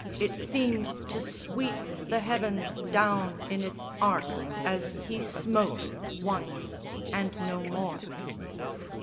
It seemed to sweep the heavens Down in its arc as he smote, once, and no more.